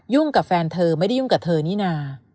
กับแฟนเธอไม่ได้ยุ่งกับเธอนี่นา